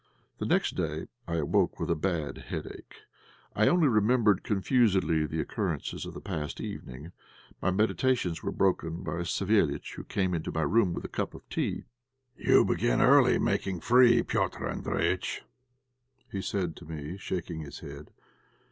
The next day I awoke with a bad headache. I only remembered confusedly the occurrences of the past evening. My meditations were broken by Savéliitch, who came into my room with a cup of tea. "You begin early making free, Petr' Andréjïtch," he said to me, shaking his head.